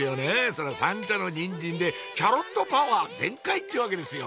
そりゃ三茶のニンジンでキャロットパワー全開！ってわけですよ